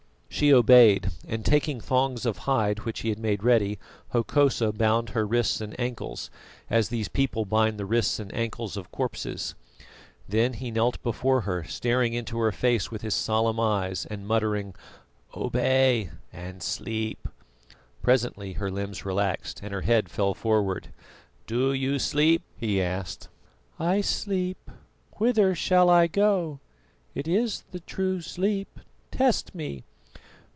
She obeyed; and taking thongs of hide which he had made ready, Hokosa bound her wrists and ankles, as these people bind the wrists and ankles of corpses. Then he knelt before her, staring into her face with his solemn eyes and muttering: "Obey and sleep." Presently her limbs relaxed, and her head fell forward. "Do you sleep?" he asked. "I sleep. Whither shall I go? It is the true sleep test me."